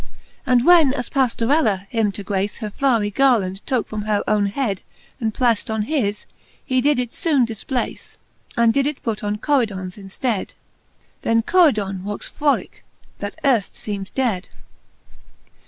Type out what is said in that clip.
And when as Pajiorella, him to grace, Her flowry garlond tooke from her owne head. And plaft on his, he did it foone dilplace, And did it put on Coridons in ftead : Then Coridon woxe froUicke, that earft feemed dead.